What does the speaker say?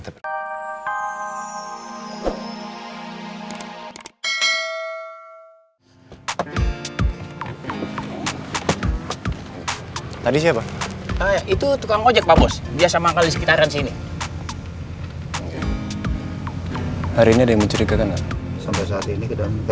baik pak bas